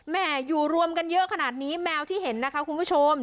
อยู่รวมกันเยอะขนาดนี้แมวที่เห็นนะคะคุณผู้ชม